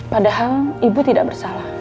padahal ibu tidak bersalah